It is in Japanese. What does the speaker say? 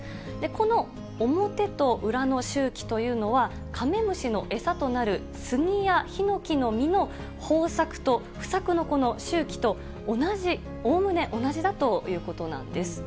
この表と裏の周期というのは、カメムシの餌となるスギやヒノキの実の豊作と不作の周期と同じ、おおむね同じだということなんです。